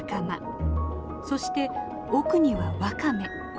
そして奥にはワカメ。